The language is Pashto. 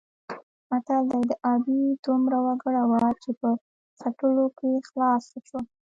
متل دی: د ابۍ دومره وګره وه چې په څټلو کې خلاصه شوه.